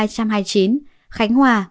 khánh hòa một trăm chín mươi bốn